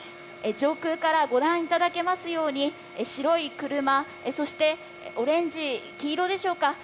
上空からご覧いただけますように白い車、そしてオレンジ、黄色でしょうか？